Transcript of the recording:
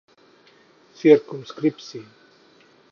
Circumscripci